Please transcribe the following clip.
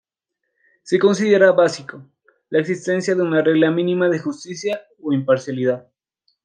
Se considera básico, la existencia de una regla mínima de justicia o imparcialidad.